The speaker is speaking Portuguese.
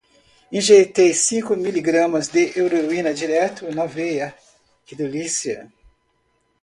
Injetei cinco miligramas de heroína direto na veia, que delícia!